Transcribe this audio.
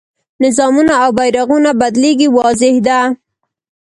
نظامونه او بیرغونه بدلېږي واضح ده.